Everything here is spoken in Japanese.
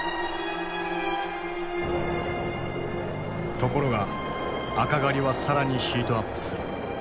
ところが赤狩りは更にヒートアップする。